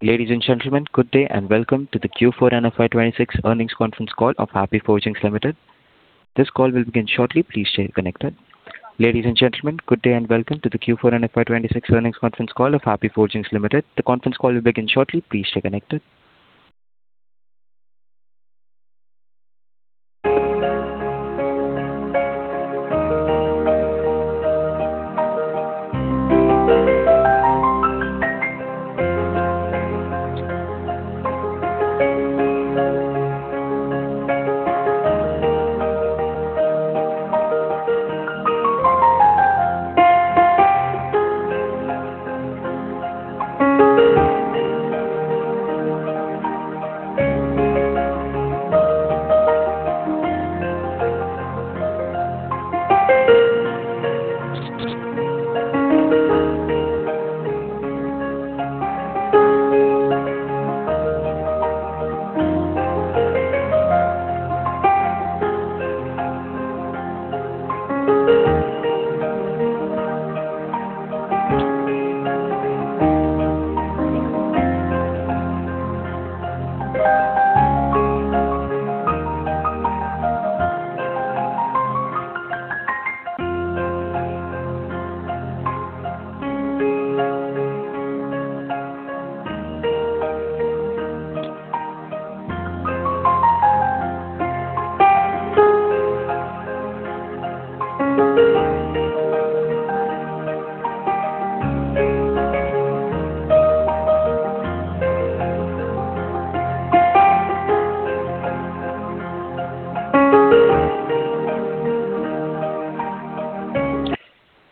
Ladies and gentlemen, good day, and welcome to the Q4 and FY 2026 Earnings Conference Call of Happy Forgings Limited. This call will begin shortly. Please stay connected. Ladies and gentlemen, good day, and welcome to the Q4 and FY 2026 Earnings Conference Call of Happy Forgings Limited. The conference call will begin shortly. Please stay connected.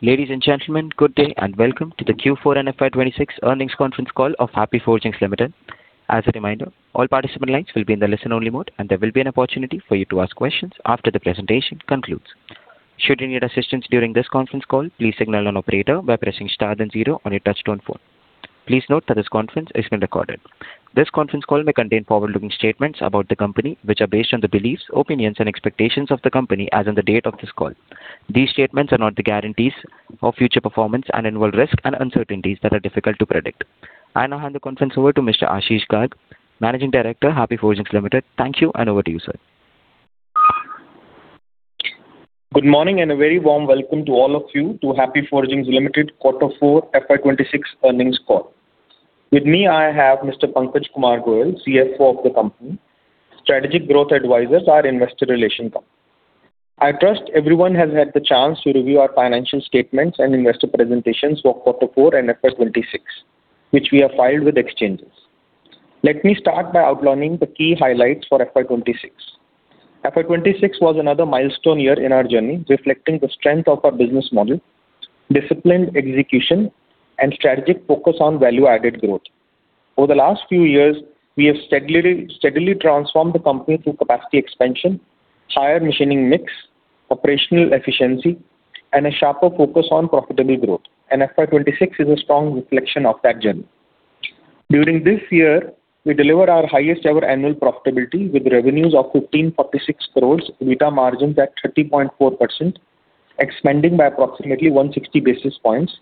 Ladies and gentlemen, good day, and welcome to the Q4 and FY 2026 Earnings Conference Call of Happy Forgings Limited. As a reminder, all participant lines will be in the listen-only mode, and there will be an opportunity for you to ask questions after the presentation concludes. Should you need assistance during this conference call, please signal an operator by pressing star then zero on your touch-tone phone. Please note that this conference is being recorded. This conference call may contain forward-looking statements about the company, which are based on the beliefs, opinions, and expectations of the company as on the date of this call. These statements are not the guarantees of future performance and involve risks and uncertainties that are difficult to predict. I now hand the conference over to Mr. Ashish Garg, Managing Director, Happy Forgings Limited. Thank you, and over to you, sir. Good morning and a very warm welcome to all of you to Happy Forgings Limited Quarter Four FY 2026 Earnings Call. With me, I have Mr. Pankaj Kumar Goyal, CFO of the company, Strategic Growth Advisors, our investor relation company. I trust everyone has had the chance to review our financial statements and investor presentations for quarter four and FY 2026, which we have filed with exchanges. Let me start by outlining the key highlights for FY 2026. FY 2026 was another milestone year in our journey, reflecting the strength of our business model, disciplined execution, and strategic focus on value-added growth. Over the last few years, we have steadily transformed the company through capacity expansion, higher machining mix, operational efficiency, and a sharper focus on profitable growth. FY 2026 is a strong reflection of that journey. During this year, we delivered our highest-ever annual profitability with revenues of 1,546 crore, EBITDA margins at 30.4%, expanding by approximately 160 basis points,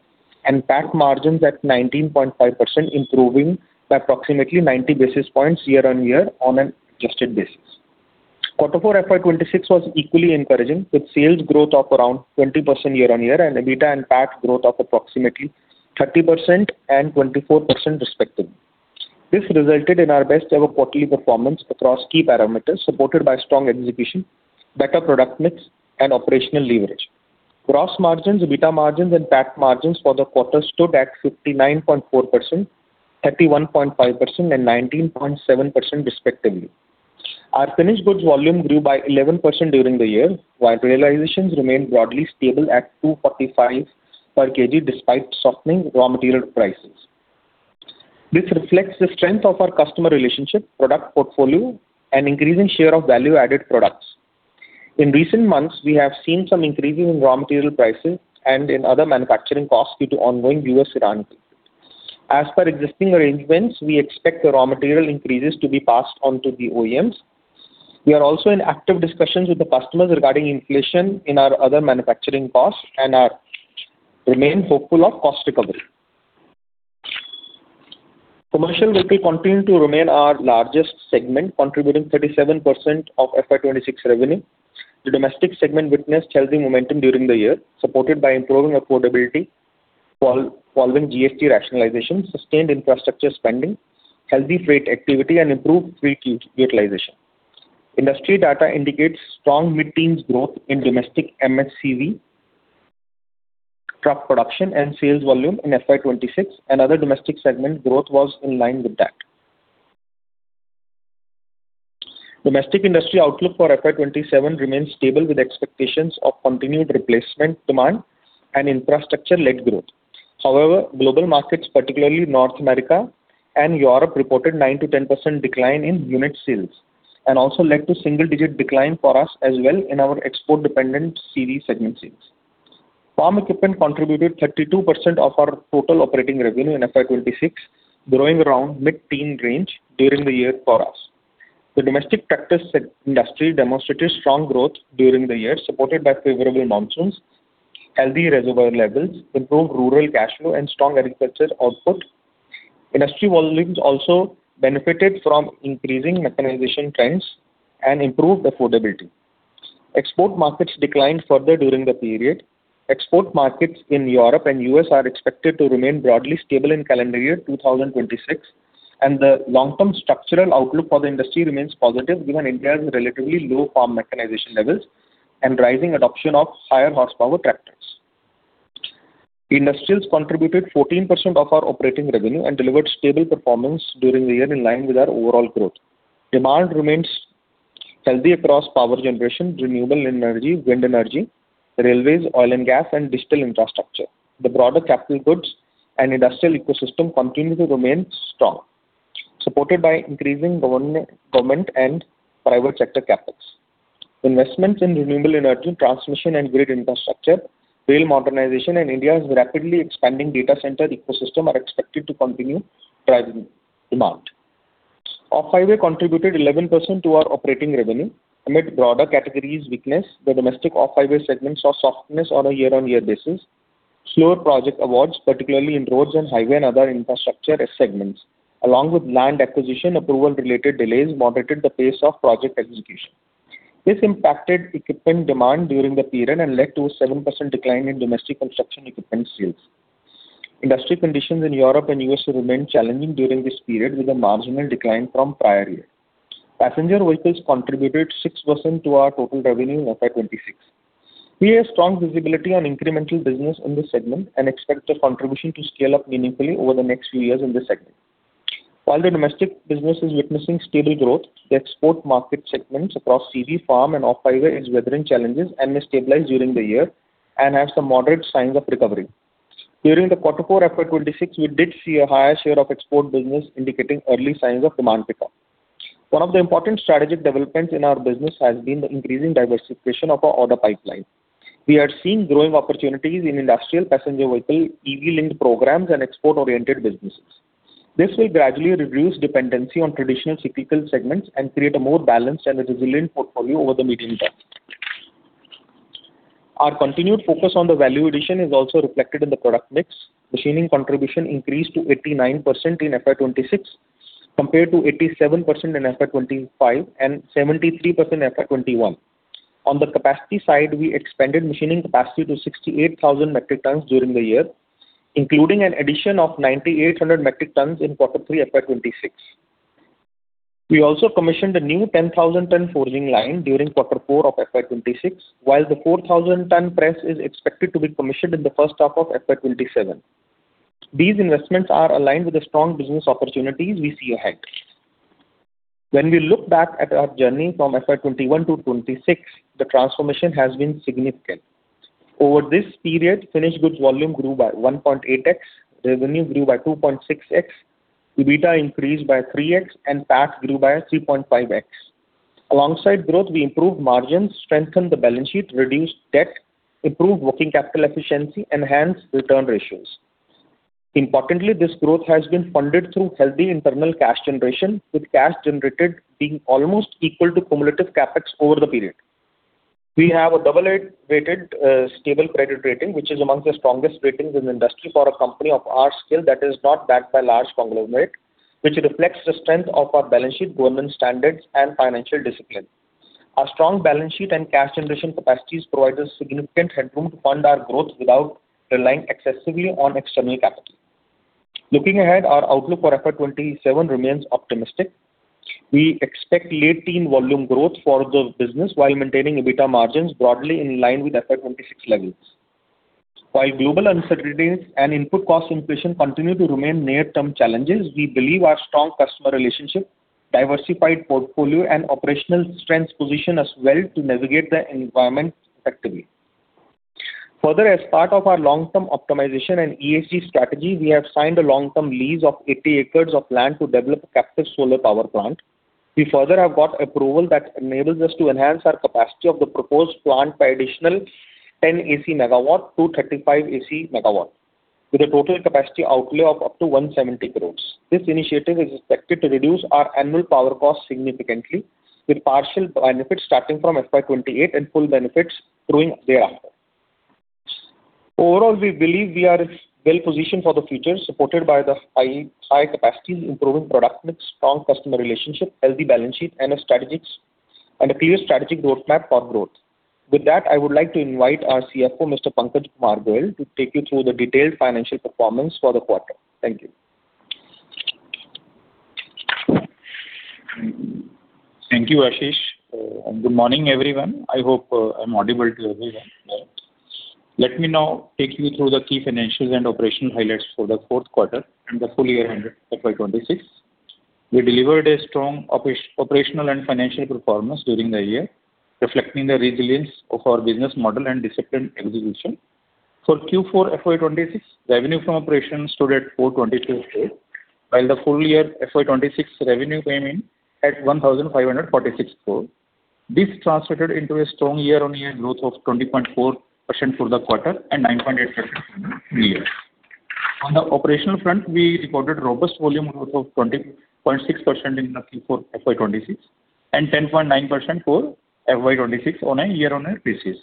and PAT margins at 19.5%, improving by approximately 90 basis points year-on-year on an adjusted basis. Quarter four FY 2026 was equally encouraging, with sales growth of around 20% year-on-year and EBITDA and PAT growth of approximately 30% and 24% respectively. This resulted in our best-ever quarterly performance across key parameters, supported by strong execution, better product mix, and operational leverage. Gross margins, EBITDA margins, and PAT margins for the quarter stood at 59.4%, 31.5%, and 19.7% respectively. Our finished goods volume grew by 11% during the year, while realizations remained broadly stable at 245 per kg despite softening raw material prices. This reflects the strength of our customer relationship, product portfolio, and increasing share of value-added products. In recent months, we have seen some increases in raw material prices and in other manufacturing costs due to ongoing U.S.-Iran. As per existing arrangements, we expect the raw material increases to be passed on to the OEMs. We are also in active discussions with the customers regarding inflation in our other manufacturing costs and remain hopeful of cost recovery. Commercial vehicle continued to remain our largest segment, contributing 37% of FY 2026 revenue. The domestic segment witnessed healthy momentum during the year, supported by improving affordability following GST rationalization, sustained infrastructure spending, healthy freight activity, and improved fleet utilization. Industry data indicates strong mid-teens growth in domestic MHCV truck production and sales volume in FY 2026, and other domestic segment growth was in line with that. Domestic industry outlook for FY 2027 remains stable with expectations of continued replacement demand and infrastructure-led growth. Global markets, particularly North America and Europe, reported 9-10% decline in unit sales and also led to single-digit decline for us as well in our export-dependent CV segment sales. Farm equipment contributed 32% of our total operating revenue in FY 2026, growing around mid-teen range during the year for us. The domestic tractors industry demonstrated strong growth during the year, supported by favorable monsoons, healthy reservoir levels, improved rural cash flow, and strong agricultural output. Industry volumes also benefited from increasing mechanization trends and improved affordability. Export markets declined further during the period. Export markets in Europe and U.S. are expected to remain broadly stable in calendar year 2026, and the long-term structural outlook for the industry remains positive given India's relatively low farm mechanization levels and rising adoption of higher horsepower tractors. Industrials contributed 14% of our operating revenue and delivered stable performance during the year in line with our overall growth. Demand remains healthy across power generation, renewable energy, wind energy, railways, oil and gas, and digital infrastructure. The broader capital goods and industrial ecosystem continue to remain strong, supported by increasing government and private sector CapEx. Investments in renewable energy, transmission and grid infrastructure, rail modernization, and India's rapidly expanding data center ecosystem are expected to continue driving demand. Off-highway contributed 11% to our operating revenue. Amid broader categories' weakness, the domestic off-highway segment saw softness on a year-on-year basis. Slower project awards, particularly in roads and highway and other infrastructure segments, along with land acquisition approval related delays, moderated the pace of project execution. This impacted equipment demand during the period and led to a 7% decline in domestic construction equipment sales. Industry conditions in Europe and U.S. remained challenging during this period, with a marginal decline from prior year. Passenger vehicles contributed 6% to our total revenue in FY 2026. We have strong visibility on incremental business in this segment and expect the contribution to scale up meaningfully over the next few years in this segment. While the domestic business is witnessing steady growth, the export market segments across CV, farm, and off-highway is weathering challenges and may stabilize during the year and have some moderate signs of recovery. During the quarter four FY 2026, we did see a higher share of export business indicating early signs of demand pickup. One of the important strategic developments in our business has been the increasing diversification of our order pipeline. We are seeing growing opportunities in industrial passenger vehicle, EV-linked programs, and export-oriented businesses. This will gradually reduce dependency on traditional cyclical segments and create a more balanced and resilient portfolio over the medium term. Our continued focus on the value addition is also reflected in the product mix. Machining contribution increased to 89% in FY 2026 compared to 87% in FY 2025 and 73% in FY 2021. On the capacity side, we expanded machining capacity to 68,000 metric tons during the year, including an addition of 9,800 metric tons in quarter three FY 2026. We also commissioned a new 10,000-ton forging line during quarter four of FY 2026, while the 4,000-ton press is expected to be commissioned in the first half of FY 2027. These investments are aligned with the strong business opportunities we see ahead. When we look back at our journey from FY 2021 to 2026, the transformation has been significant. Over this period, finished goods volume grew by 1.8x, revenue grew by 2.6x, EBITDA increased by 3x, and PAT grew by 3.5x. Alongside growth, we improved margins, strengthened the balance sheet, reduced debt, improved working capital efficiency, and enhanced return ratios. Importantly, this growth has been funded through healthy internal cash generation, with cash generated being almost equal to cumulative CapEx over the period. We have a double-A-rated stable credit rating, which is amongst the strongest ratings in the industry for a company of our scale that is not backed by large conglomerate, which reflects the strength of our balance sheet, governance standards, and financial discipline. Our strong balance sheet and cash generation capacities provide us significant headroom to fund our growth without relying excessively on external capital. Looking ahead, our outlook for FY 2027 remains optimistic. We expect late teen volume growth for the business while maintaining EBITDA margins broadly in line with FY 2026 levels. While global uncertainties and input cost inflation continue to remain near-term challenges, we believe our strong customer relationships, diversified portfolio, and operational strengths position us well to navigate the environment effectively. Further, as part of our long-term optimization and ESG strategy, we have signed a long-term lease of 80 acres of land to develop a captive solar power plant. We further have got approval that enables us to enhance our capacity of the proposed plant by additional 10 AC MW to 35 AC MW, with a total capacity outlay of up to 170 crore. This initiative is expected to reduce our annual power cost significantly with partial benefits starting from FY 2028 and full benefits accruing thereafter. Overall, we believe we are well positioned for the future, supported by the high capacities, improving product mix, strong customer relationship, healthy balance sheet, and a clear strategic roadmap for growth. With that, I would like to invite our CFO, Mr. Pankaj Kumar Goyal, to take you through the detailed financial performance for the quarter. Thank you. Thank you, Ashish. Good morning, everyone. I hope I'm audible to everyone. Let me now take you through the key financials and operational highlights for the fourth quarter and the full year ended FY 2026. We delivered a strong operational and financial performance during the year, reflecting the resilience of our business model and disciplined execution. For Q4 FY 2026, revenue from operations stood at 422 crore, while the full year FY 2026 revenue came in at 1,546 crore. This translated into a strong year-on-year growth of 20.4% for the quarter and 9.8% for the year. On the operational front, we recorded robust volume growth of 20.6% in Q4 FY 2026 and 10.9% for FY 2026 on a year-on-year basis.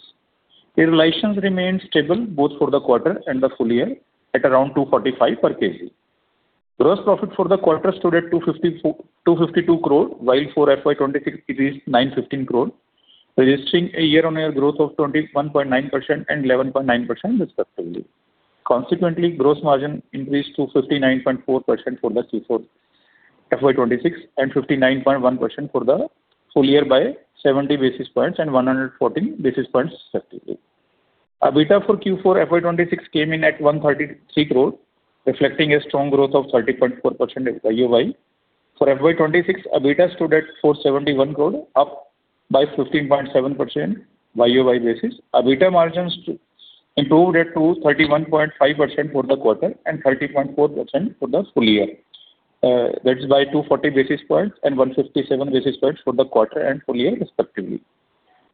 Realization remained stable both for the quarter and the full year at around 245 per kg. Gross profit for the quarter stood at 252 crore, while for FY 2026 it is 915 crore, registering a year-on-year growth of 21.9% and 11.9% respectively. Consequently, gross margin increased to 59.4% for the Q4 FY 2026 and 59.1% for the full year by 70 basis points and 114 basis points respectively. EBITDA for Q4 FY 2026 came in at 133 crore, reflecting a strong growth of 30.4% YoY. For FY 2026, EBITDA stood at 471 crore, up by 15.7% YoY basis. EBITDA margins improved at 231.5% for the quarter and 30.4% for the full year. That is by 240 basis points and 157 basis points for the quarter and full year respectively,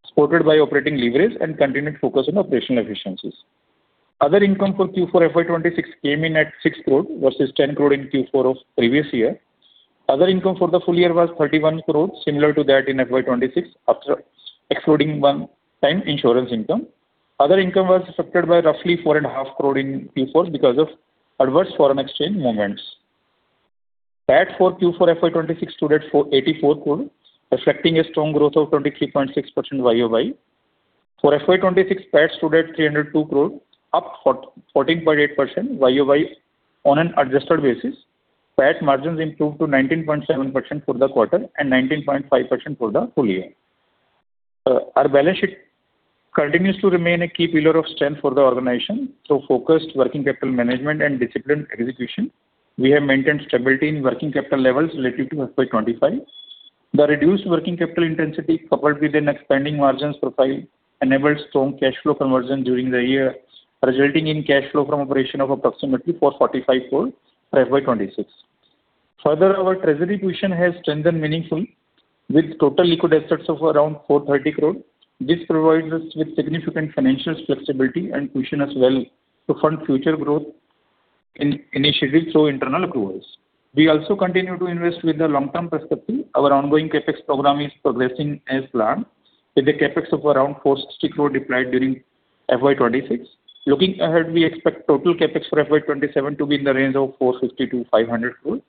supported by operating leverage and continued focus on operational efficiencies. Other income for Q4 FY 2026 came in at 6 crore versus 10 crore in Q4 of previous year. Other income for the full year was 31 crore, similar to that in FY 2026, excluding one-time insurance income. Other income was affected by roughly 4.5 crore in Q4 because of adverse foreign exchange movements. PAT for Q4 FY 2026 stood at 84 crore, reflecting a strong growth of 23.6% YoY. For FY 2026, PAT stood at 302 crore, up 14.8% YoY on an adjusted basis. PAT margins improved to 19.7% for the quarter and 19.5% for the full year. Our balance sheet continues to remain a key pillar of strength for the organization through focused working capital management and disciplined execution. We have maintained stability in working capital levels relative to FY 2025. The reduced working capital intensity, coupled with an expanding margins profile, enabled strong cash flow conversion during the year, resulting in cash flow from operation of approximately 445 crore for FY 2026. Further, our treasury position has strengthened meaningfully with total liquid assets of around 430 crore. This provides us with significant financial flexibility and cushion as well to fund future growth initiatives through internal accruals. We also continue to invest with a long-term perspective. Our ongoing CapEx program is progressing as planned, with the CapEx of around 460 crore deployed during FY 2026. Looking ahead, we expect total CapEx for FY 2027 to be in the range of 450 crore-500 crore,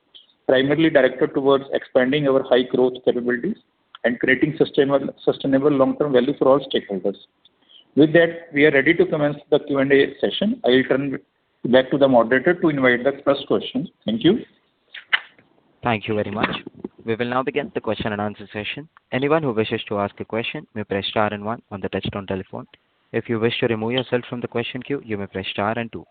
primarily directed towards expanding our high growth capabilities and creating sustainable long-term value for all stakeholders. With that, we are ready to commence the Q&A session. I'll turn back to the moderator to invite the first question. Thank you. Thank you very much. We will now begin the question and answer session. Anyone who wishes to ask a question may press star and one on the touchtone telephone. If you wish to remove yourself from the question queue, you may press star and two.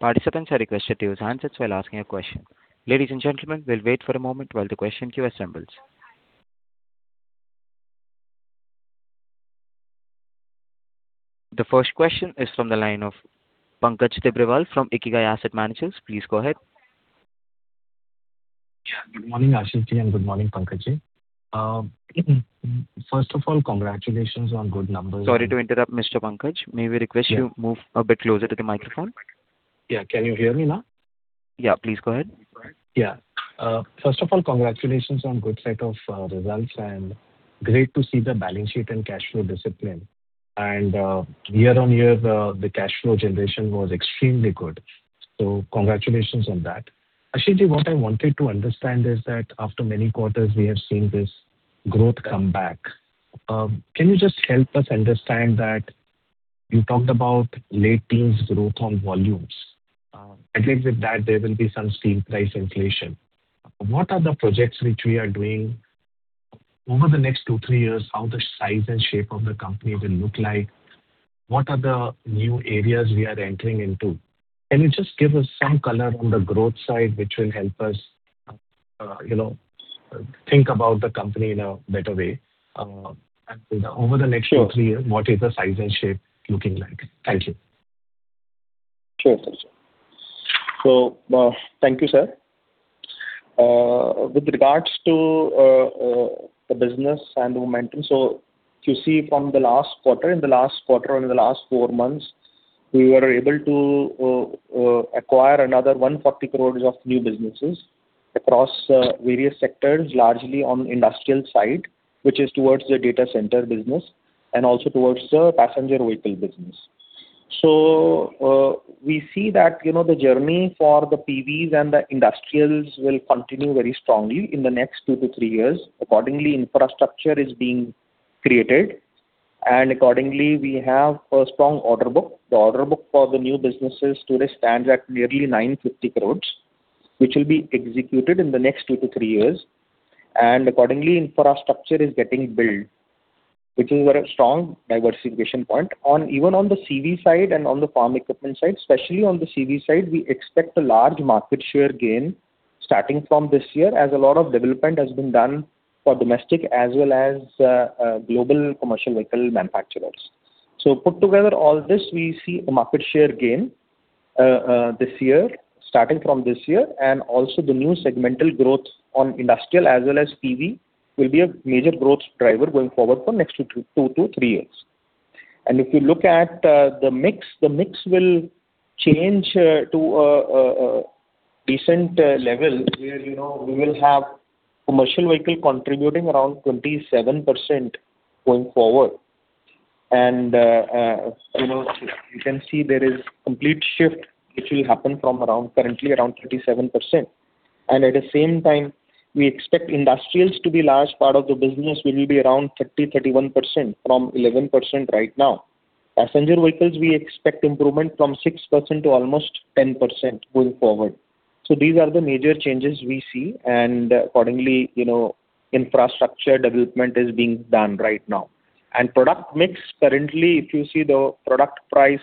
Participants are requested to use handsets while asking a question. Ladies and gentlemen, we will wait for a moment while the question queue assembles. The first question is from the line of Pankaj Tibrewal from Ikigai Asset Management. Please go ahead. Yeah. Good morning, Ashish, and good morning, Pankaj. First of all, congratulations on good numbers. Sorry to interrupt, Mr. Pankaj. May we request you move a bit closer to the microphone? Yeah. Can you hear me now? Yeah, please go ahead. Yeah. First of all, congratulations on good set of results, great to see the balance sheet and cash flow discipline. The cash flow generation was extremely good, congratulations on that. Ashish, what I wanted to understand is that after many quarters, we have seen this growth come back. Can you just help us understand that you talked about late teens growth on volumes. At least with that, there will be some steel price inflation. What are the projects which we are doing over the next two, three years, how the size and shape of the company will look like? What are the new areas we are entering into? Can you just give us some color on the growth side, which will help us think about the company in a better way? Over the next two, three years, what is the size and shape looking like? Thank you. Sure, sir. Thank you, sir. If you see from the last quarter, in the last quarter, or in the last four months, we were able to acquire another 140 crore of new businesses across various sectors, largely on industrial side, which is towards the data center business and also towards the passenger vehicle business. We see that the journey for the PVs and the industrials will continue very strongly in the next two to three years. Accordingly, infrastructure is being created, and accordingly, we have a strong order book. The order book for the new businesses today stands at nearly 950 crore, which will be executed in the next two to three years. Accordingly, infrastructure is getting built, which is a very strong diversification point. Even on the CV side and on the farm equipment side, especially on the CV side, we expect a large market share gain starting from this year, as a lot of development has been done for domestic as well as global commercial vehicle manufacturers. Put together all this, we see a market share gain this year, starting from this year, and also the new segmental growth on industrial as well as PV will be a major growth driver going forward for next two to three years. If you look at the mix, the mix will change to a decent level where we will have commercial vehicle contributing around 27% going forward. You can see there is complete shift, which will happen from currently around 37%. At the same time, we expect industrials to be large part of the business, which will be around 30%, 31% from 11% right now. Passenger vehicles, we expect improvement from 6% to almost 10% going forward. These are the major changes we see, and accordingly, infrastructure development is being done right now. Product mix, currently, if you see the product price,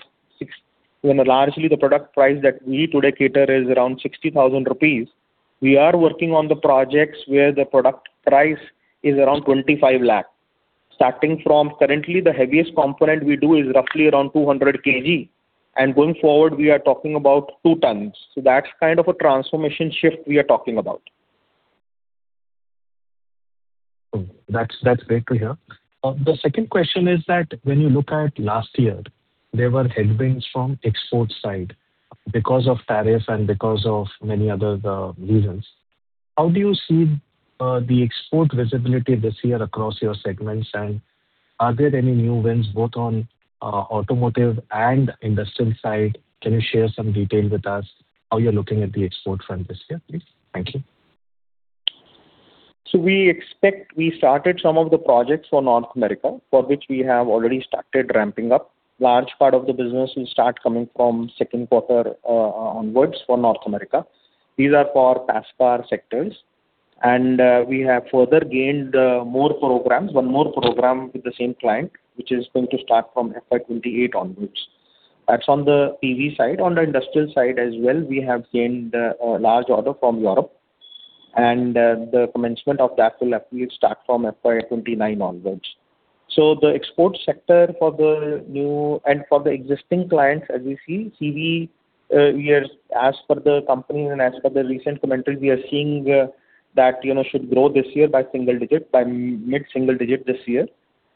largely the product price that we today cater is around 60,000 rupees. We are working on the projects where the product price is around 25 lakh. Starting from currently, the heaviest component we do is roughly around 200 kg, and going forward we are talking about two tons. That's kind of a transformation shift we are talking about. That's great to hear. The second question is that when you look at last year, there were headwinds from export side because of tariff and because of many other reasons. How do you see the export visibility this year across your segments, and are there any new wins both on automotive and industrial side? Can you share some detail with us how you're looking at the export front this year, please? Thank you. We expect we started some of the projects for North America for which we have already started ramping up. Large part of the business will start coming from second quarter onwards for North America. These are for pass car sectors. We have further gained more programs, one more program with the same client, which is going to start from FY 2028 onwards. That's on the PV side. On the industrial side as well, we have gained a large order from Europe, and the commencement of that will actually start from FY 2029 onwards. The export sector for the new and for the existing clients, as we see, CV, as for the company and as for the recent commentary, we are seeing that should grow this year by mid-single digit this year.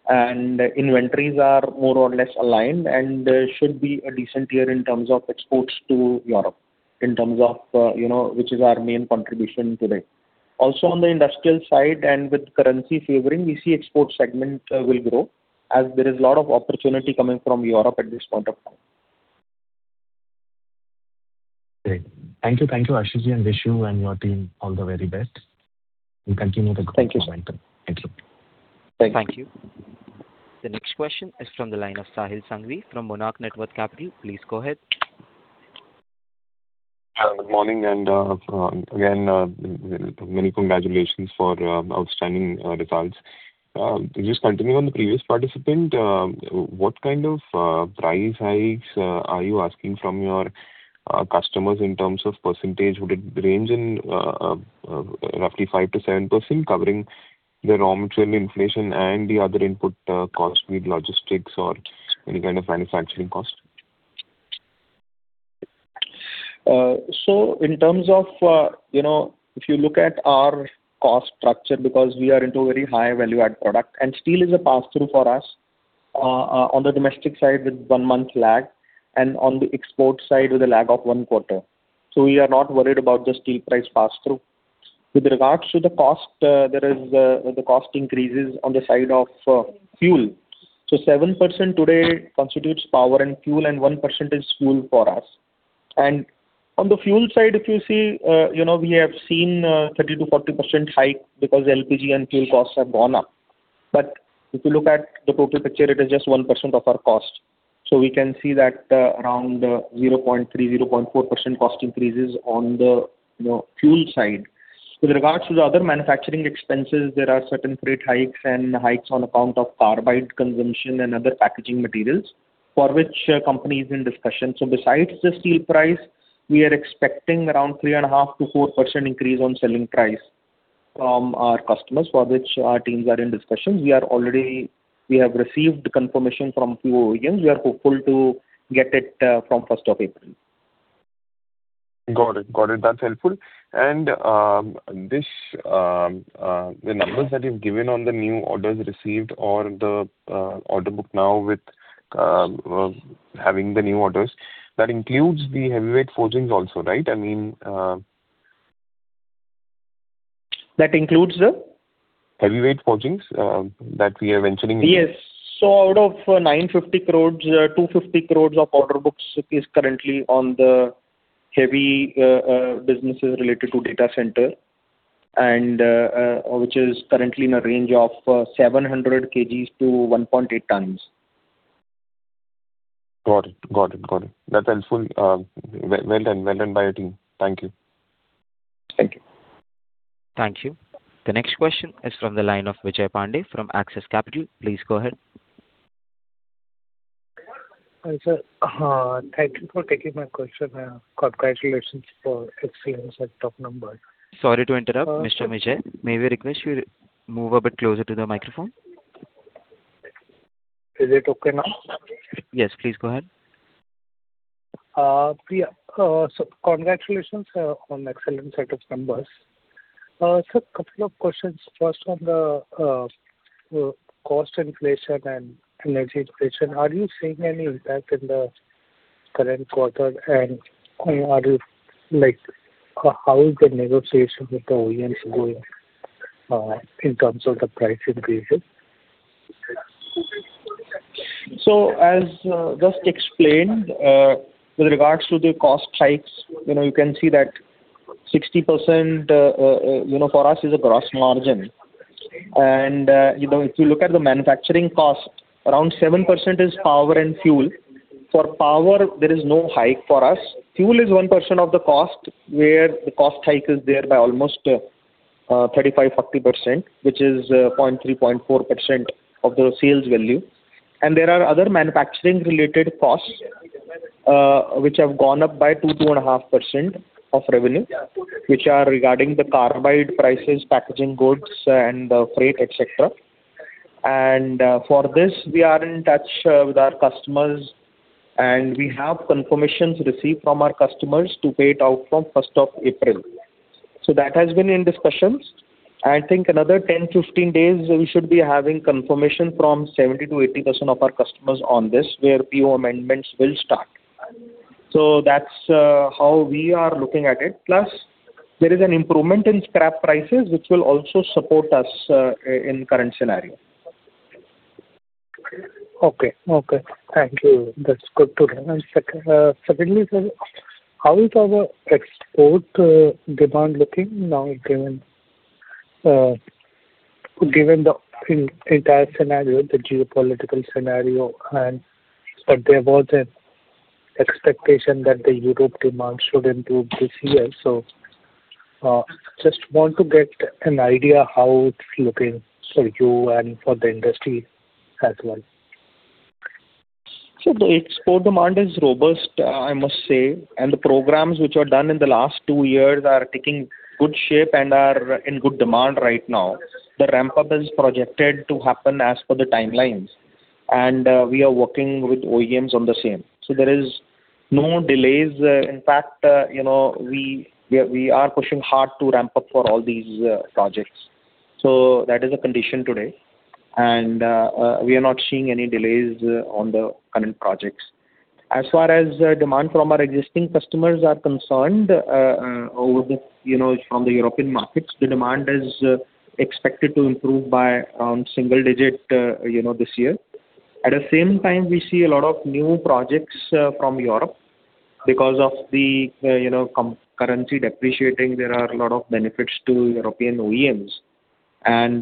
Inventories are more or less aligned and should be a decent year in terms of exports to Europe, which is our main contribution today. On the industrial side and with currency favoring, we see export segment will grow as there is a lot of opportunity coming from Europe at this point of time. Great. Thank you, Ashish and Vishu and your team. All the very best and continue the good work. Thank you. Thank you. Thank you. Thank you. The next question is from the line of Sahil Sanghvi from Monarch Networth Capital. Please go ahead. Good morning, and again, many congratulations for outstanding results. Just continuing on the previous participant, what kind of price hikes are you asking from your customers in terms of percentage? Would it range in roughly 5%-7%, covering the raw material inflation and the other input cost, be it logistics or any kind of manufacturing cost? In terms of if you look at our cost structure, because we are into very high value-add product and steel is a passthrough for us on the domestic side with one month lag and on the export side with a lag of one quarter. We are not worried about the steel price passthrough. With regards to the cost, there is the cost increases on the side of fuel. 7% today constitutes power and fuel, and 1% is fuel for us. On the fuel side, if you see, we have seen 30%-40% hike because LPG and fuel costs have gone up. If you look at the total picture, it is just 1% of our cost. We can see that around 0.3%-0.4% cost increases on the fuel side. With regards to the other manufacturing expenses, there are certain freight hikes and hikes on account of carbide consumption and other packaging materials for which company is in discussion. Besides the steel price, we are expecting around 3.5%-4% increase on selling price from our customers, for which our teams are in discussions. We have received confirmation from few OEMs. We are hopeful to get it from 1st of April. Got it. That's helpful. The numbers that you've given on the new orders received or the order book now with having the new orders, that includes the heavy forgings also, right? I mean. That includes the? Heavyweight forgings that we are mentioning. Yes. out of 950 crore, 250 crore of order books is currently on the heavy businesses related to data center, and which is currently in a range of 700 kgs to 1.8 tons. Got it. That's helpful. Well done by your team. Thank you. Thank you. Thank you. The next question is from the line of Vijay Pandey from Axis Capital. Please go ahead. Hi, sir. Thank you for taking my question. Congratulations for excellence and top number. Sorry to interrupt, Mr. Vijay. May we request you move a bit closer to the microphone? Is it okay now? Yes, please go ahead. Priya, congratulations on excellent set of numbers. Sir, two questions first on the cost inflation and energy inflation. Are you seeing any impact in the current quarter and how is the negotiation with the OEMs going in terms of the price increases? As just explained, with regards to the cost hikes, you can see that 60% for us is a gross margin. If you look at the manufacturing cost, around 7% is power and fuel. For power, there is no hike for us. Fuel is 1% of the cost, where the cost hike is there by almost 35%, 40%, which is 0.3%, 0.4% of the sales value. There are other manufacturing related costs which have gone up by 2.5% of revenue, which are regarding the carbide prices, packaging goods and freight, et cetera. For this, we are in touch with our customers and we have confirmations received from our customers to pay it out from 1st of April. That has been in discussions. I think another 10, 15 days, we should be having confirmation from 70%-80% of our customers on this, where PO amendments will start. That's how we are looking at it. Plus, there is an improvement in scrap prices, which will also support us in current scenario. Okay. Thank you. That's good to know. secondly, sir, how is our export demand looking now, given the entire scenario, the geopolitical scenario? There was an expectation that the Europe demand should improve this year. Just want to get an idea how it's looking for you and for the industry as well? The export demand is robust, I must say, and the programs which were done in the last two years are taking good shape and are in good demand right now. The ramp-up is projected to happen as per the timelines, and we are working with OEMs on the same. There is no delays. In fact, we are pushing hard to ramp up for all these projects. That is a condition today, and we are not seeing any delays on the current projects. As far as demand from our existing customers are concerned, from the European markets, the demand is expected to improve by around single digit this year. At the same time, we see a lot of new projects from Europe because of the currency depreciating, there are a lot of benefits to European OEMs.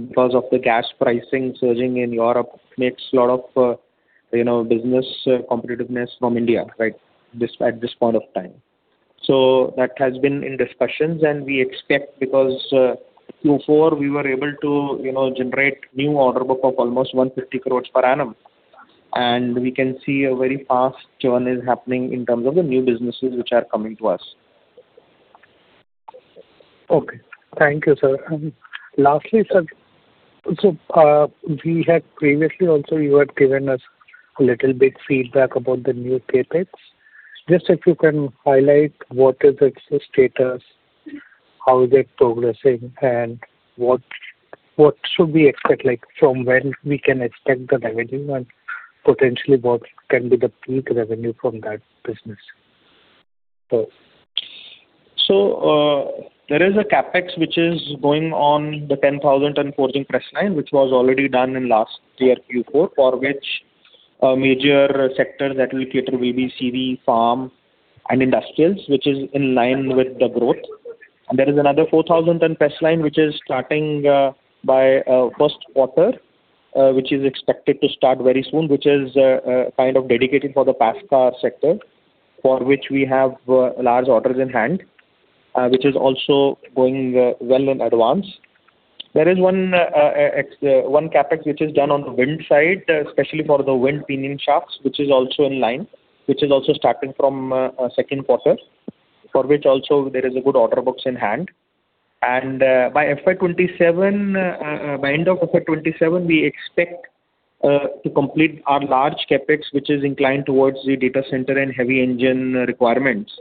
Because of the gas pricing surging in Europe makes lot of business competitiveness from India at this point of time. That has been in discussions, and we expect because Q4, we were able to generate new order book of almost 150 crore per annum. We can see a very fast journey is happening in terms of the new businesses which are coming to us. Okay. Thank you, sir. Lastly, sir, we had previously also you had given us little bit feedback about the new CapEx. Just if you can highlight what is its status, how is it progressing, and what should we expect, like from when we can expect the revenue and potentially what can be the peak revenue from that business? There is a CapEx which is going on the 10,000 ton forging press line, which was already done in last year Q4, for which a major sector that will cater will be CV, farm and industrials, which is in line with the growth. There is another 4,000 ton press line which is starting by first quarter, which is expected to start very soon, which is kind of dedicated for the passenger car sector, for which we have large orders in hand, which is also going well in advance. There is one CapEx which is done on the wind side, especially for the wind pinion shafts, which is also in line, which is also starting from second quarter, for which also there is a good order books in hand. By end of FY 2027, we expect to complete our large CapEx, which is inclined towards the data center and heavy engine requirements,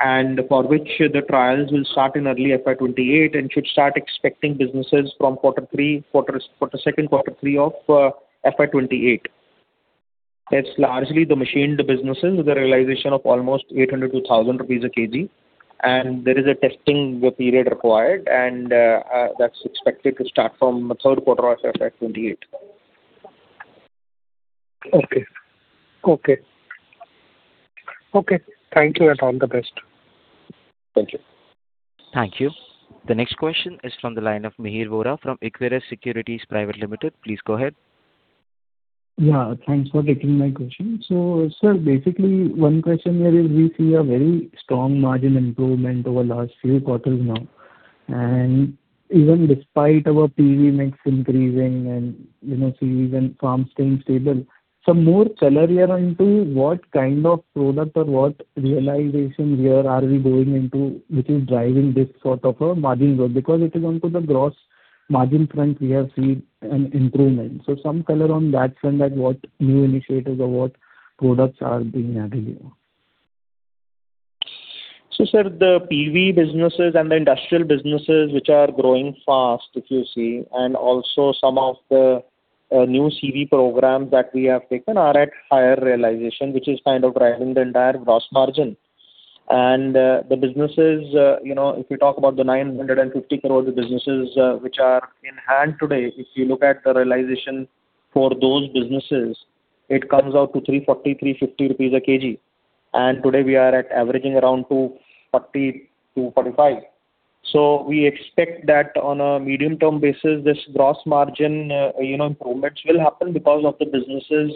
and for which the trials will start in early FY 2028 and should start expecting businesses from second quarter three of FY 2028. It's largely the machined businesses with a realization of almost 800-1,000 rupees a kg, and there is a testing period required, and that's expected to start from third quarter of FY 2028. Okay. Thank you, and all the best. Thank you. Thank you. The next question is from the line of Mihir Vora from Equirus Securities Private Limited. Please go ahead. Yeah, thanks for taking my question. Sir, basically, one question here is we see a very strong margin improvement over last few quarters now, and even despite our PV mix increasing and CV and farm staying stable. More color here into what kind of product or what realization here are we going into, which is driving this sort of a margin growth, because it is onto the gross margin front, we have seen an improvement. Some color on that front, like what new initiatives or what products are being added here? Sir, the PV businesses and the industrial businesses, which are growing fast, if you see, and also some of the new CV programs that we have taken are at higher realization, which is kind of driving the entire gross margin. The businesses, if you talk about the 950 crore businesses which are in hand today, if you look at the realization for those businesses, it comes out to 340 rupees, 350 rupees a kg. Today, we are at averaging around 230, 245. We expect that on a medium-term basis, this gross margin improvements will happen because of the businesses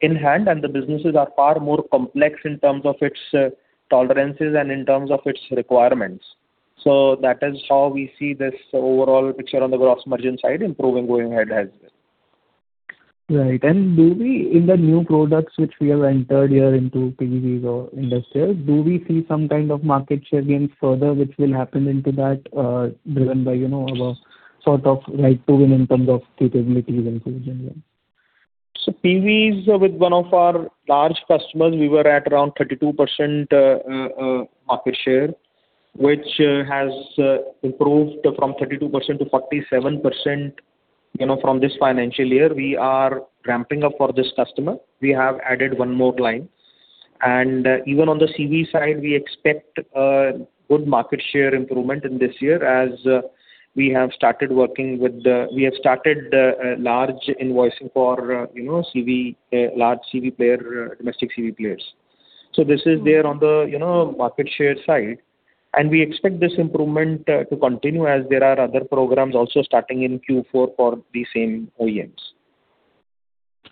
in hand and the businesses are far more complex in terms of its tolerances and in terms of its requirements. That is how we see this overall picture on the gross margin side improving going ahead as well. Right. In the new products which we have entered here into PVs or industrials, do we see some kind of market share gains further, which will happen into that, driven by our sort of right to win in terms of capabilities and so on? PVs with one of our large customers, we were at around 32% market share, which has improved from 32%-47% from this financial year. We are ramping up for this customer. We have added one more line. Even on the CV side, we expect a good market share improvement in this year as we have started large invoicing for large CV player, domestic CV players. This is there on the market share side, and we expect this improvement to continue as there are other programs also starting in Q4 for the same OEMs.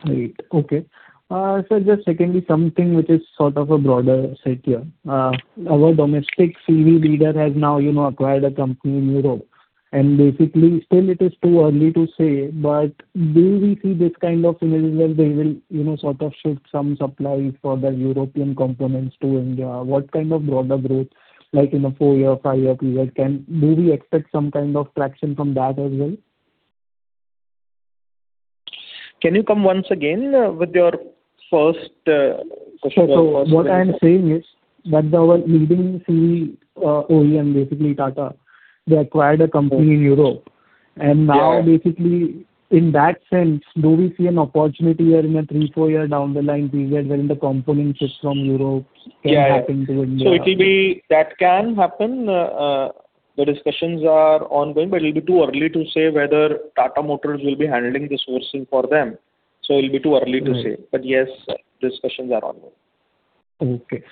Right. Okay. Sir, just secondly, something which is sort of a broader set here. Our domestic CV leader has now acquired a company in Europe, basically still it is too early to say, but do we see this kind of synergy where they will sort of shift some supply for the European components to India? What kind of broader growth, like in a four-year, five-year period, do we expect some kind of traction from that as well? Can you come once again with your first question? What I'm saying is that our leading CV OEM, basically Tata, they acquired a company in Europe. Yeah. Now basically in that sense, do we see an opportunity here in a three, four-year down the line period wherein the component shifts from Europe coming back into India? Yeah. That can happen. The discussions are ongoing, but it'll be too early to say whether Tata Motors will be handling the sourcing for them. It'll be too early to say. Yes, discussions are ongoing. Okay.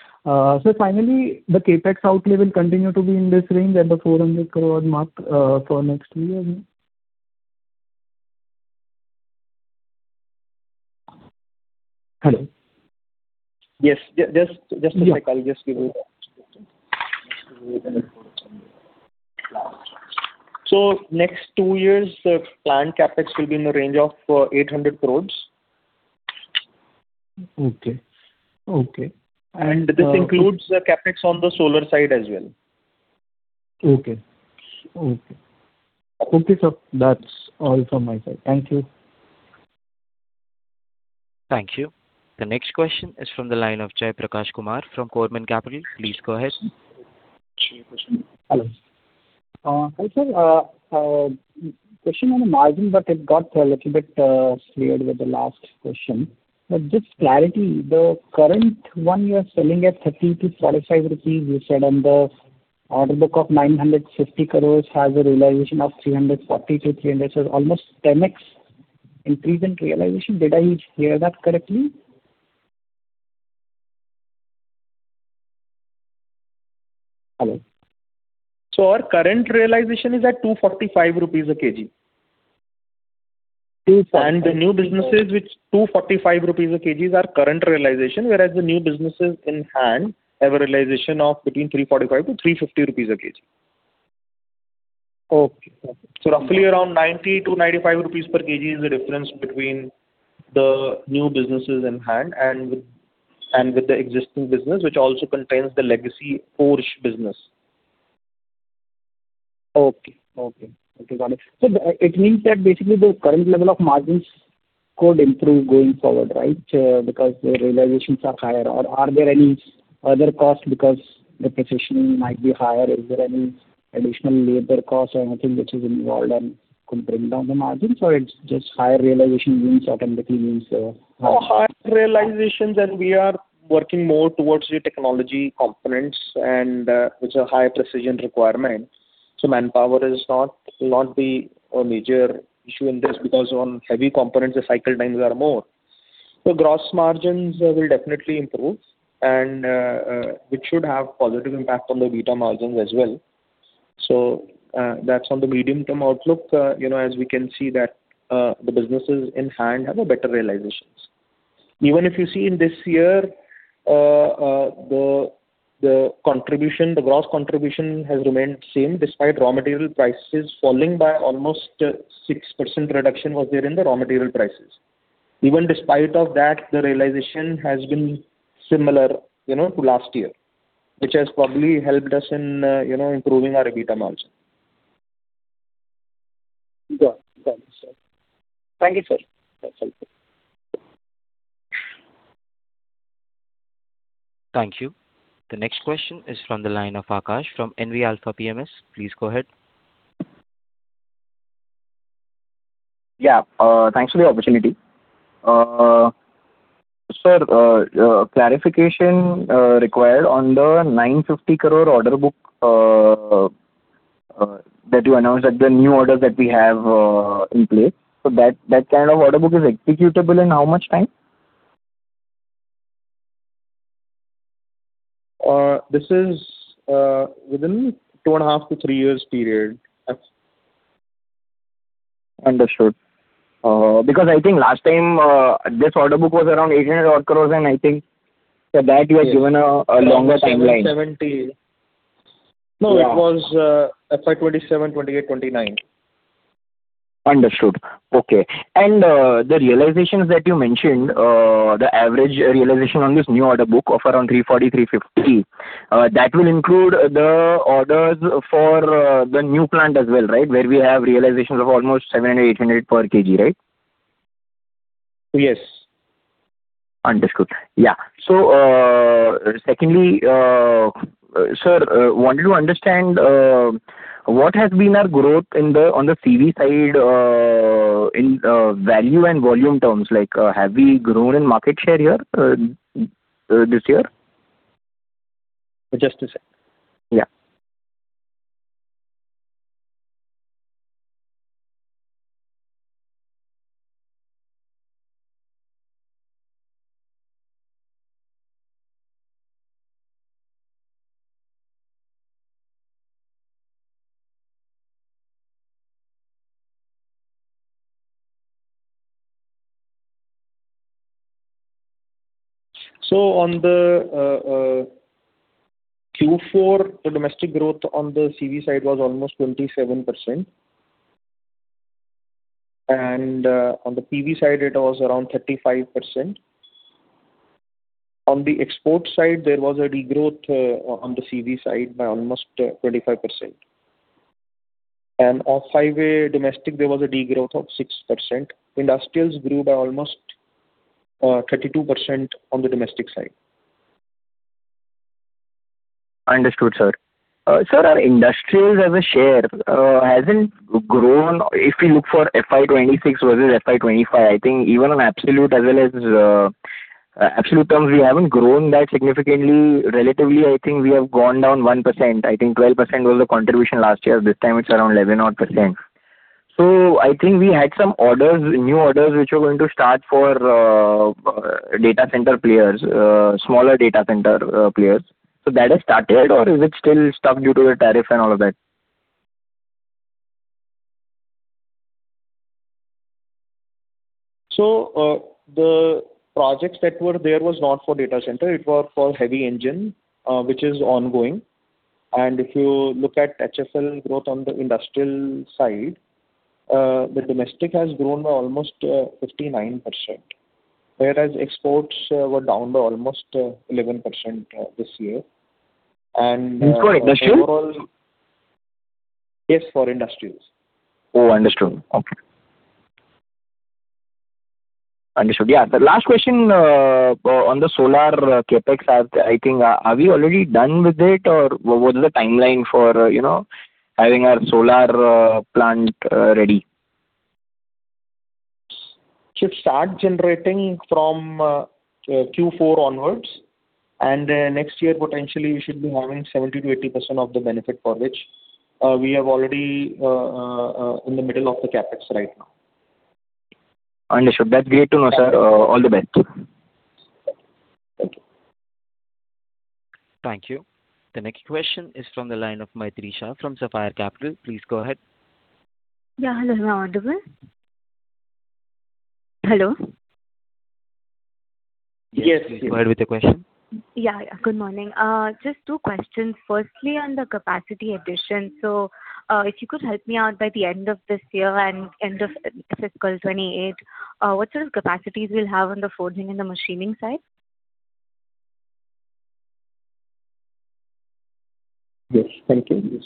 Finally, the CapEx outlay will continue to be in this range at the 400 crore mark for next year? Hello? Yes. Just a sec. I'll just give you that. Next two years, the planned CapEx will be in the range of 800 crore. Okay. This includes the CapEx on the solar side as well. Okay. Okay, sir. That's all from my side. Thank you. Thank you. The next question is from the line of Jaiprakash Kumhar from Korman Capital. Please go ahead. Sure. Hello, sir. Hi, sir. Question on the margin. It got a little bit cleared with the last question. Just clarity, the current one you are selling at 30 to 45 rupees, you said on the order book of 950 crore has a realization of 340 to 350, so it's almost 10x increase in realization. Did I hear that correctly? Hello? Our current realization is at INR 245 a kg. INR 245. The new businesses, which INR 245 a kg are current realization, whereas the new businesses in hand have a realization of between 345 to 350 rupees a kg. Okay. Roughly around 90-95 rupees per kg is the difference between the new businesses in hand and with the existing business, which also contains the legacy forge business. Okay. Got it. It means that basically the current level of margins could improve going forward, right? Because the realizations are higher. Or are there any other costs because the precision might be higher? Is there any additional labor cost or anything which is involved in pulling down the margin, or it's just higher realization means automatically? Higher realizations, we are working more towards the technology components and with a higher precision requirement. Manpower will not be a major issue in this because on heavy components, the cycle times are more. Gross margins will definitely improve, and it should have positive impact on the EBITDA margins as well. That's on the medium-term outlook. As we can see that the businesses in hand have a better realizations. Even if you see in this year, the gross contribution has remained same despite raw material prices falling by almost 6% reduction was there in the raw material prices. Even despite of that, the realization has been similar to last year, which has probably helped us in improving our EBITDA margin. Got it, sir. Thank you, sir. Thank you. The next question is from the line of Akash from NV Alpha PMS. Please go ahead. Yeah. Thanks for the opportunity. Sir, clarification required on the 950 crore order book that you announced, the new orders that we have in place. That kind of order book is executable in how much time? This is within two and a half to three years period. Understood. I think last time this order book was around 800 odd crore. I think for that you had given a longer timeline. No, it was FY 2027, 2028, 2029. Understood. Okay. The realizations that you mentioned, the average realization on this new order book of around 340, 350, that will include the orders for the new plant as well, right? Where we have realizations of almost 700, 800 per kg, right? Yes. Understood. Yeah. Secondly, sir, wanted to understand what has been our growth on the CV side in value and volume terms, like have we grown in market share this year? Just a second. Yeah. On the Q4, the domestic growth on the CV side was almost 27%. On the PV side it was around 35%. On the export side, there was a degrowth on the CV side by almost 25%. Off-highway domestic, there was a degrowth of 6%. Industrials grew by almost 32% on the domestic side. Understood, sir. Sir, our industrials as a share hasn't grown. If we look for FY 2026 versus FY 2025, I think even on absolute terms, we haven't grown that significantly. Relatively, I think we have gone down 1%. I think 12% was the contribution last year. This time it's around 11 odd%. I think we had some new orders which were going to start for data center players, smaller data center players. That has started or is it still stuck due to the tariff and all of that? The projects that were there was not for data center, it was for heavy engine, which is ongoing. If you look at HFL growth on the industrial side, the domestic has grown by almost 59%, whereas exports were down by almost 11% this year. I'm sorry, industrial? Yes, for industrials. Oh, understood. Okay. Understood. Yeah. The last question on the solar CapEx, I think are we already done with it or what is the timeline for having our solar plant ready? Should start generating from Q4 onwards, and next year potentially we should be having 70%-80% of the benefit for which we are already in the middle of the CapEx right now. Understood. That's great to know, sir. All the best. Thank you. Thank you. The next question is from the line of Maitri Shah from Sapphire Capital. Please go ahead. Yeah. Hello. Am I audible? Hello? Yes. Go ahead with the question. Yeah. Good morning. Just two questions. Firstly, on the capacity addition. If you could help me out by the end of this year and end of fiscal 2028, what sort of capacities we'll have on the forging and the machining side? Yes, thank you.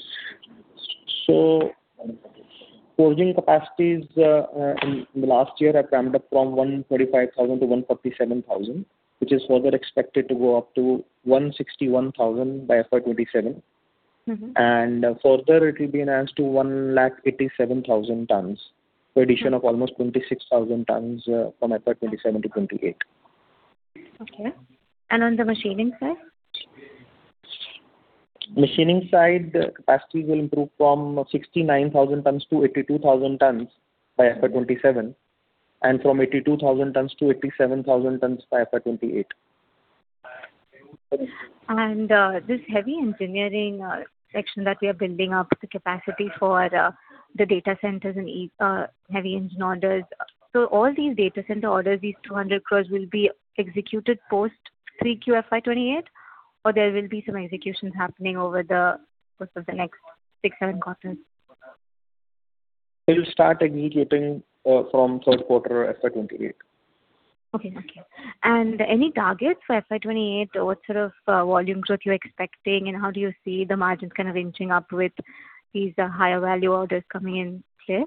Forging capacities in the last year have ramped up from 135,000 to 147,000, which is further expected to go up to 161,000 by FY 2027. Further it will be enhanced to 187,000 tons. Addition of almost 26,000 tons from FY 2027 to FY 2028. Okay. On the machining side? Machining side capacity will improve from 69,000 tons to 82,000 tons by FY 2027, and from 82,000 tons to 87,000 tons by FY 2028. This heavy engineering section that we are building up the capacity for the data centers and heavy engine orders. All these data center orders, these 200 crore will be executed post 3Q FY 2028 or there will be some executions happening over the course of the next six, seven quarters? It will start alleviating from first quarter FY 2028. Okay. Any targets for FY 2028? What sort of volume growth you're expecting, and how do you see the margins kind of inching up with these higher value orders coming in play?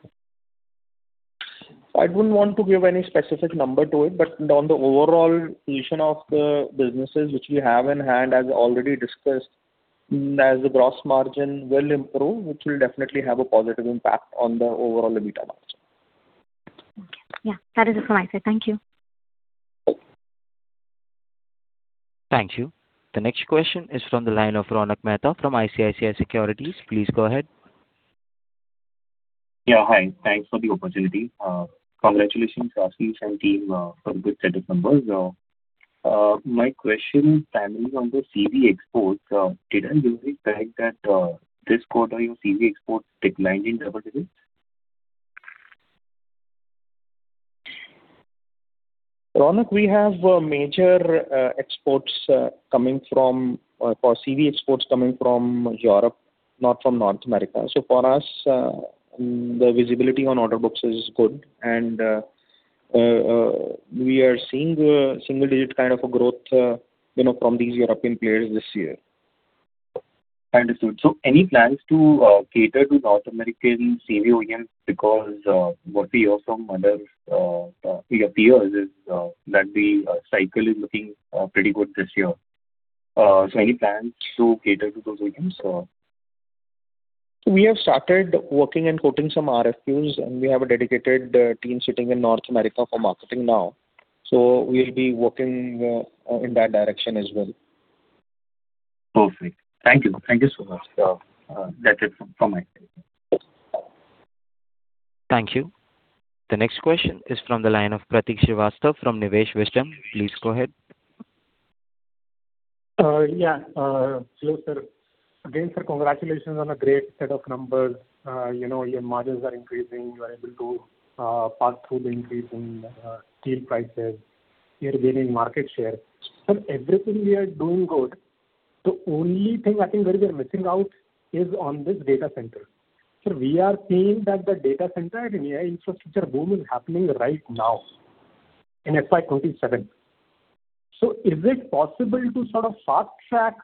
I wouldn't want to give any specific number to it, but on the overall position of the businesses which we have in hand, as already discussed, as the gross margin will improve, which will definitely have a positive impact on the overall EBITDA margin. Okay. Yeah. That is it from my side. Thank you. Thank you. The next question is from the line of Ronak Mehta from ICICI Securities. Please go ahead. Yeah, hi. Thanks for the opportunity. Congratulations, Ashish and team, for a good set of numbers. My question primarily is on the CV exports. Did I read it correct that this quarter, your CV exports declined in double digits? Ronak, we have major CV exports coming from Europe, not from North America. For us, the visibility on order books is good and we are seeing a single digit kind of a growth from these European players this year. Understood. Any plans to cater to North American CV OEMs because what we hear from others it appears is that the cycle is looking pretty good this year. Any plans to cater to those OEMs? We have started working and quoting some RFQs, and we have a dedicated team sitting in North America for marketing now. We'll be working in that direction as well. Perfect. Thank you so much. That's it from my side. Thank you. The next question is from the line of Prateek Shrivastava from Nivesh Wisdom. Please go ahead. Yeah. Hello, sir. Again, sir, congratulations on a great set of numbers. Your margins are increasing. You are able to pass through the increase in steel prices. You're gaining market share. Sir, everything we are doing good, the only thing I think where we're missing out is on this data center. Sir, we are seeing that the data center and AI infrastructure boom is happening right now in FY 2027. Is it possible to sort of fast track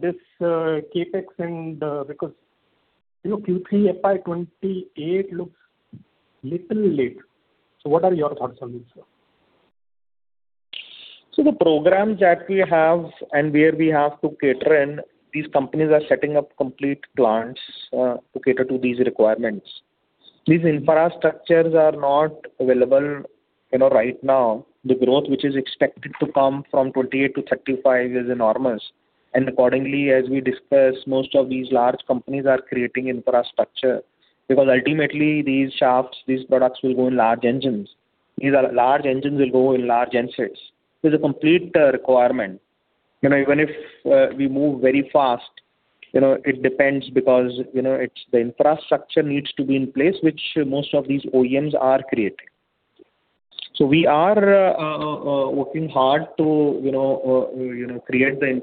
this CapEx? Because Q3 FY 2028 looks little late. What are your thoughts on this, sir? The programs that we have and where we have to cater in, these companies are setting up complete plants to cater to these requirements. These infrastructures are not available right now. The growth which is expected to come from 2028 to 2035 is enormous. Accordingly, as we discussed, most of these large companies are creating infrastructure because ultimately these shafts, these products will go in large engines. These large engines will go in large gensets. There's a complete requirement. Even if we move very fast, it depends because the infrastructure needs to be in place, which most of these OEMs are creating. We are working hard to create the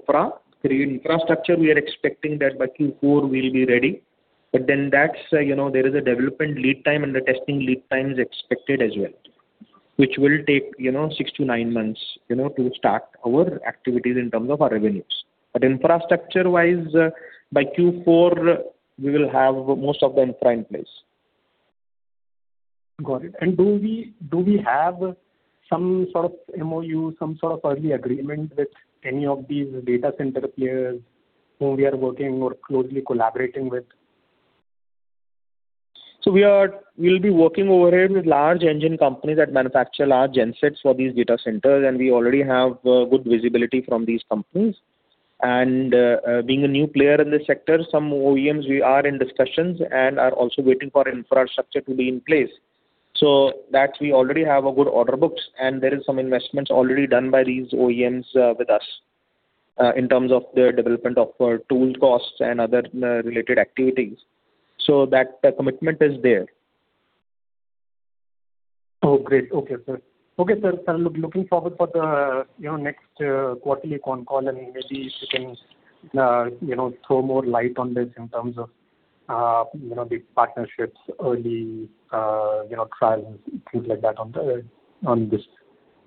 infrastructure. We are expecting that by Q4 we'll be ready. There is a development lead time and the testing lead time is expected as well, which will take six to nine months to start our activities in terms of our revenues. Infrastructure-wise, by Q4, we will have most of the infra in place. Got it. Do we have some sort of MOU, some sort of early agreement with any of these data center players whom we are working or closely collaborating with? We'll be working over here with large engine companies that manufacture large gensets for these data centers, and we already have good visibility from these companies. Being a new player in this sector, some OEMs we are in discussions and are also waiting for infrastructure to be in place. That we already have a good order book and there is some investments already done by these OEMs with us in terms of their development of tool costs and other related activities. That commitment is there. Oh, great. Okay, sir. Looking forward for the next quarterly con call and maybe you can throw more light on this in terms of the partnerships, early trials, things like that on this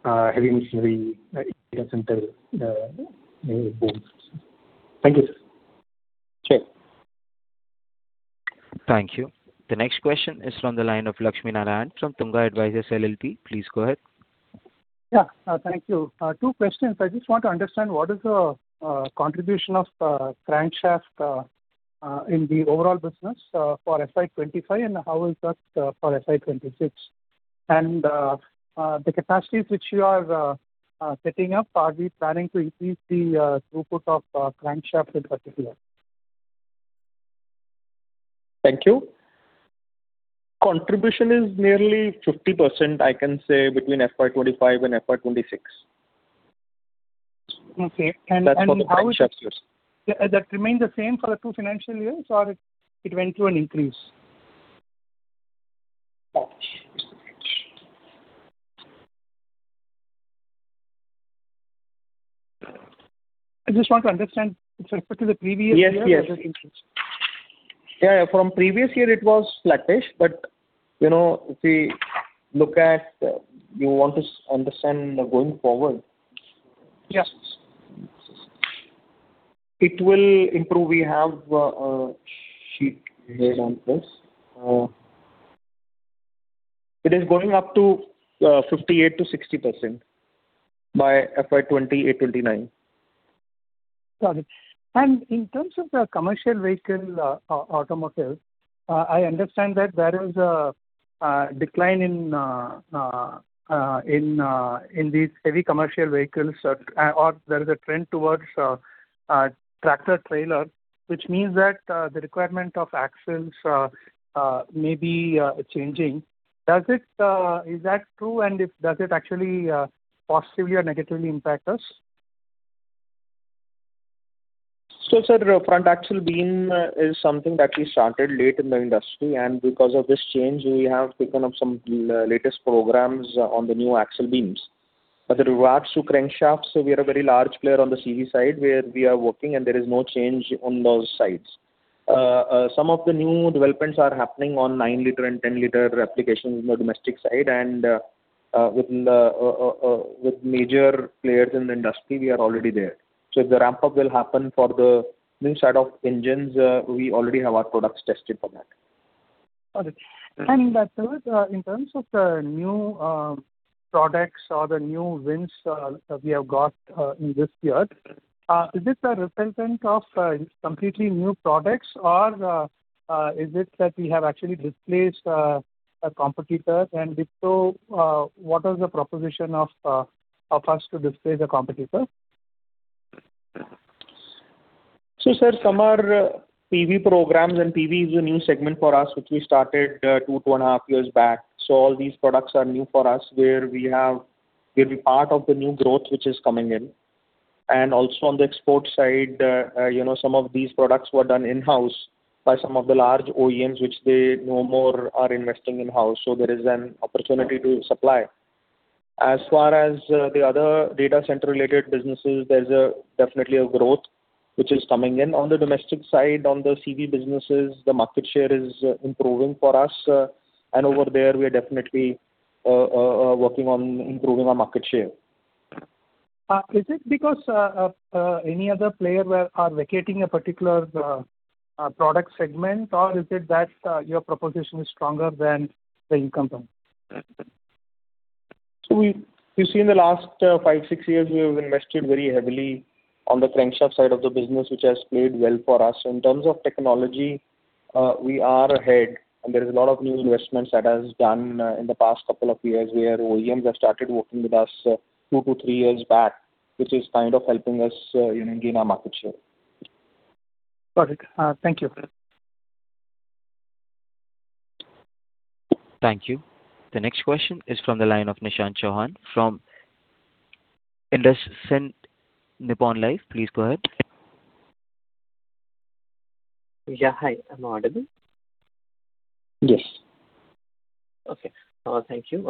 heavy machinery data center. Thank you, sir. Sure. Thank you. The next question is from the line of Lakshminarayanan from Tunga Advisors LLP. Please go ahead. Yeah. Thank you. Two questions. I just want to understand what is the contribution of crankshaft in the overall business for FY 2025 and how is that for FY 2026? The capacities which you are setting up, are we planning to increase the throughput of crankshaft in particular? Thank you. Contribution is nearly 50%, I can say, between FY 2025 and FY 2026. Okay. That's for the crankshafts, yes. That remained the same for the two financial years, or it went through an increase? I just want to understand with respect to the previous year. Yes. From previous year it was flattish, you want to understand going forward. Yes. It will improve. We have a sheet here on this. It is going up to 58%-60% by FY 2028, 2029. Got it. In terms of the commercial vehicle automotive, I understand that there is a decline in these Heavy Commercial Vehicles, or there is a trend towards tractor-trailer, which means that the requirement of axles may be changing. Is that true, and does it actually positively or negatively impact us? Sir, front axle beam is something that we started late in the industry, and because of this change, we have taken up some latest programs on the new axle beams. With regards to crankshaft, we are a very large player on the CV side, where we are working and there is no change on those sides. Some of the new developments are happening on 9 liter and 10 liter applications in the domestic side, and with major players in the industry, we are already there. The ramp-up will happen for the new set of engines, we already have our products tested for that. Got it. Sir, in terms of the new products or the new wins that we have got in this year, is this a replacement of completely new products, or is it that we have actually displaced a competitor? If so, what is the proposition of us to displace a competitor? Sir, some are PV programs, PV is a new segment for us, which we started two, two and a half years back. So all these products are new for us. There'll be part of the new growth which is coming in. Also on the export side, some of these products were done in-house by some of the large OEMs, which they no more are investing in-house, so there is an opportunity to supply. As far as the other data center related businesses, there is definitely a growth which is coming in. On the domestic side, on the CV businesses, the market share is improving for us, and over there we are definitely working on improving our market share. Is it because any other player are vacating a particular product segment, or is it that your proposition is stronger than the incumbent? You see in the last five, six years, we have invested very heavily on the crankshaft side of the business, which has played well for us. In terms of technology, we are ahead, and there is a lot of new investments that has done in the past couple of years, where OEMs have started working with us two to three years back, which is kind of helping us gain our market share. Perfect. Thank you. Thank you. The next question is from the line of Nishant Chauhan from IndusInd Nippon Life. Please go ahead. Yeah. Hi, am I audible? Yes. Okay. Thank you.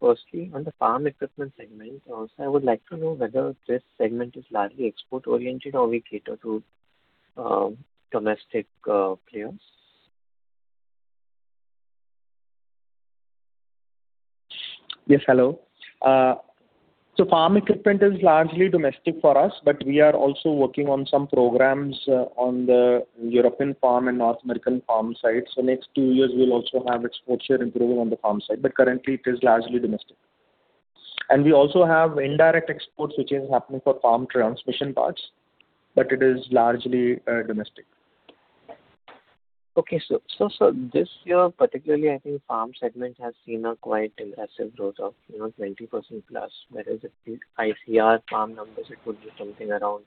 Firstly, on the farm equipment segment, sir, I would like to know whether this segment is largely export-oriented, or we cater to domestic players. Yes, hello. Farm equipment is largely domestic for us, but we are also working on some programs on the European farm and North American farm side. Next two years, we'll also have export share improvement on the farm side, but currently it is largely domestic. We also have indirect exports, which is happening for farm transmission parts, but it is largely domestic. Okay, sir. sir, this year particularly, I think farm segment has seen a quite impressive growth of 20% plus, whereas if we ICRA farm numbers, it would be something around,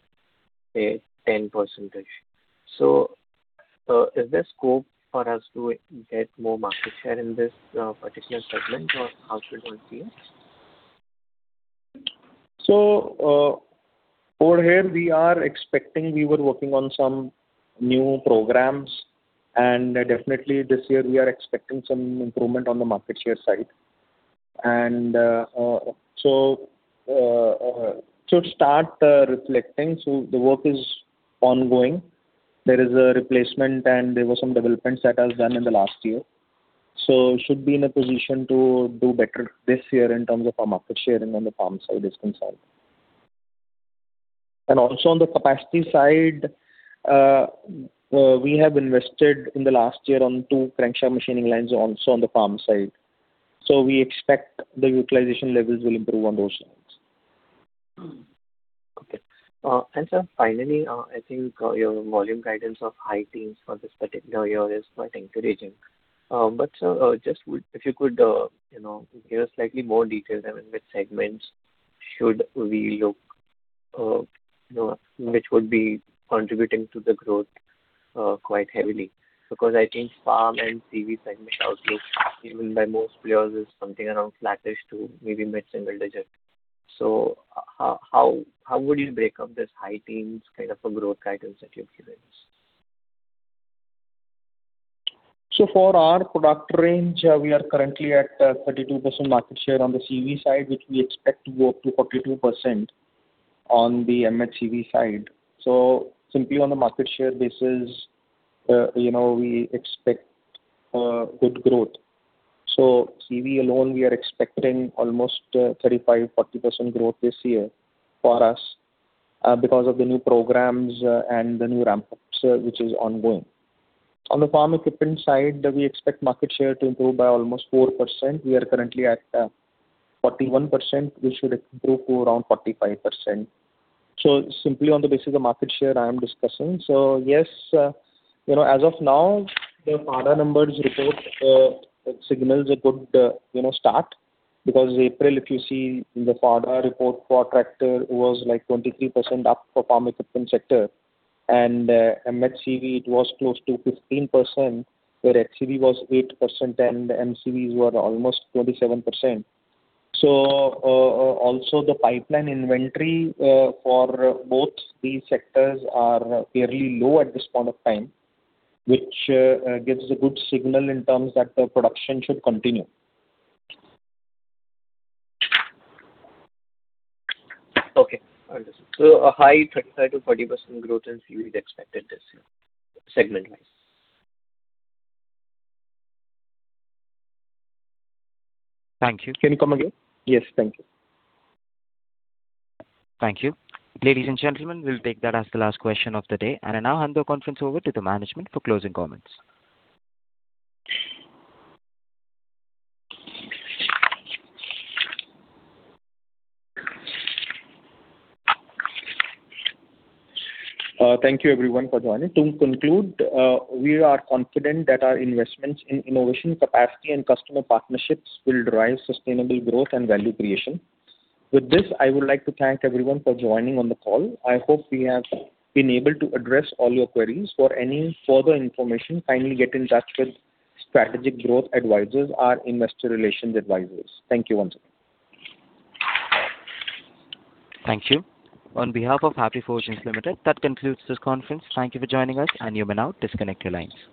say, 10%. Is there scope for us to get more market share in this particular segment, or how should one see it? For here, we are expecting, we were working on some new programs, definitely this year we are expecting some improvement on the market share side. It should start reflecting. The work is ongoing. There is a replacement and there were some developments that was done in the last year. Should be in a position to do better this year in terms of our market share and on the farm side is concerned. Also on the capacity side, we have invested in the last year on two crankshaft machining lines also on the farm side. We expect the utilization levels will improve on those sides. Okay. Sir, finally, I think your volume guidance of high teens for this particular year is quite encouraging. Sir, just if you could give slightly more detail, I mean, which segments should we look, which would be contributing to the growth quite heavily? Because I think farm and CV segment outlook, even by most players, is something around flattish to maybe mid-single digit. How would you break up this high teens kind of a growth guidance that you're giving? For our product range, we are currently at 32% market share on the CV side, which we expect to go up to 42% on the MHCV side. Simply on the market share basis, we expect good growth. CV alone, we are expecting almost 35%-40% growth this year for us because of the new programs and the new ramp-ups, which is ongoing. On the farm equipment side, we expect market share to improve by almost 4%. We are currently at 41%, which should improve to around 45%. Simply on the basis of market share, I am discussing. Yes, as of now, the FADA numbers report signals a good start because April, if you see the FADA report for tractor, was 23% up for farm equipment sector and MHCV, it was close to 15%, where HCV was 8% and MCVs were almost 27%. Also the pipeline inventory for both these sectors are fairly low at this point of time, which gives a good signal in terms that the production should continue. Okay, understood. A high 35%-40% growth in CV is expected this year, segment-wise. Thank you. Can you come again? Yes. Thank you. Thank you. Ladies and gentlemen, we'll take that as the last question of the day, and I now hand the conference over to the management for closing comments. Thank you everyone for joining. To conclude, we are confident that our investments in innovation capacity and customer partnerships will drive sustainable growth and value creation. With this, I would like to thank everyone for joining on the call. I hope we have been able to address all your queries. For any further information, kindly get in touch with Strategic Growth Advisors, our investor relations advisors. Thank you once again. Thank you. On behalf of Happy Forgings Limited, that concludes this conference. Thank you for joining us, and you may now disconnect your lines.